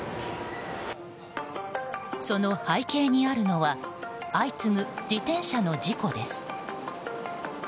その背景にあるのは相次ぐ自転車の事故です。